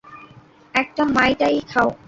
একটা মাই টাই খাও।